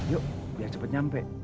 yuk biar cepet nyampe